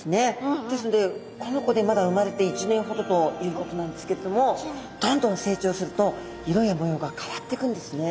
ですのでこの子でまだ生まれて１年ほどということなんですけれどもどんどん成長すると色や模様が変わってくんですね。